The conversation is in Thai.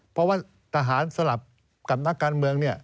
เพราะว่าทหารสลับกับนักการเมืองเนี่ย